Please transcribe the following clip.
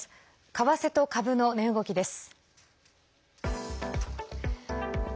為替と株の値動きです。